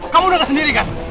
kamu dengar sendiri kan